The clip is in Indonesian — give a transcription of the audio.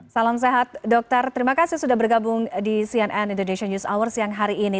salam sehat dokter terima kasih sudah bergabung di cnn indonesia news hour siang hari ini